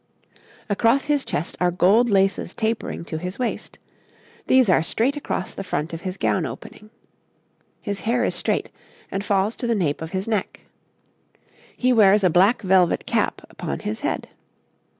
Across his chest are gold laces tapering to his waist; these are straight across the front of his gown opening. His hair is straight, and falls to the nape of his neck; he wears a black velvet cap upon his head.